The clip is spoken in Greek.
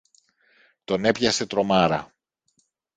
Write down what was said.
Τον έπιασε τρομάρα.